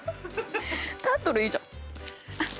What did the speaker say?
タートルいいじゃん。